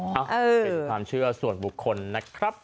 เป็นความเชื่อส่วนบุคคลนะครับ